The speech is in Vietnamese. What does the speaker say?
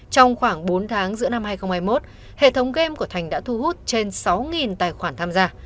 trong khoảng bốn tháng giữa năm hai nghìn hai mươi một hệ thống game của thành đã thu hút trên sáu tài khoản tham gia